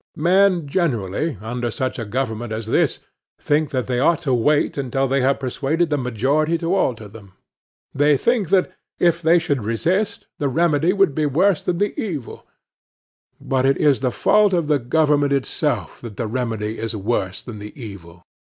Men generally, under such a government as this, think that they ought to wait until they have persuaded the majority to alter them. They think that, if they should resist, the remedy would be worse than the evil. But it is the fault of the government itself that the remedy is worse than the evil.